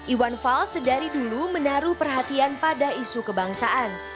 iwan fals dari dulu menaruh perhatian pada isu kebangsaan